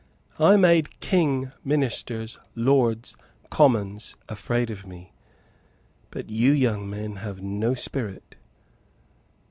I made King, Ministers, Lords, Commons, afraid of me. But you young men have no spirit."